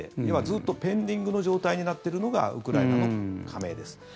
要はずっとペンディングの状態になっているのがウクライナの加盟です。